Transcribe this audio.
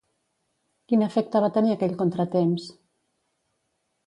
Quin efecte va tenir aquell contratemps?